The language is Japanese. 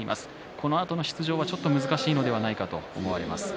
このあとの出場は難しいのではないかと思われます。